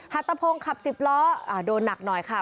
ัตตะพงศ์ขับ๑๐ล้อโดนหนักหน่อยค่ะ